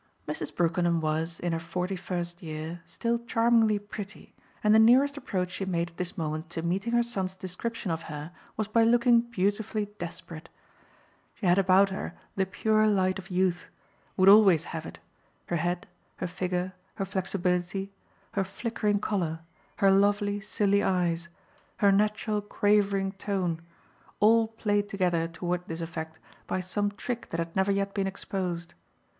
Mrs. Brookenham was, in her forty first year, still charmingly pretty, and the nearest approach she made at this moment to meeting her son's description of her was by looking beautifully desperate. She had about her the pure light of youth would always have it; her head, her figure, her flexibility, her flickering colour, her lovely silly eyes, her natural quavering tone, all played together toward this effect by some trick that had never yet been exposed.